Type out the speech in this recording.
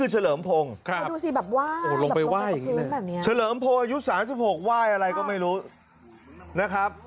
เฉลิมพงศ์อายุ๓๖ว่ายอะไรก็ไม่รู้